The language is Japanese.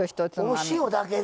あっお塩だけで。